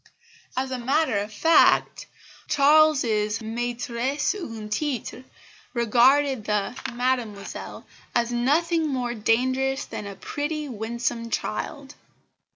As a matter of fact Charles's maitresse en titre regarded the "Mademoiselle" as nothing more dangerous than a pretty, winsome child.